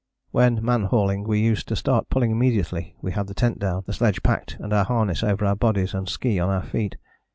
When man hauling we used to start pulling immediately we had the tent down, the sledge packed and our harness over our bodies and ski on our feet.